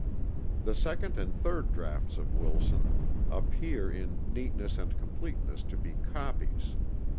The second and third draughts of Wilson appear in neatness and completeness to be copies.